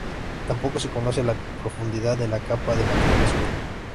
Tampoco se conoce la profundidad de la capa de material oscuro.